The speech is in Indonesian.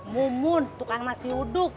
mumun tukang nasi uduk